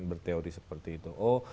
berteori seperti itu oh